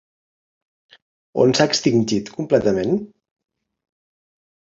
On s'ha extingit completament?